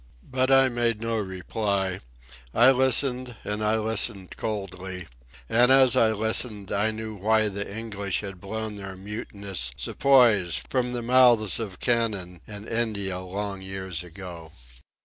But I made no reply. I listened, and I listened coldly, and as I listened I knew why the English had blown their mutinous Sepoys from the mouths of cannon in India long years ago.